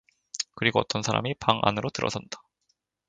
그리고 어떤 사람이 방 안으로 들어선다.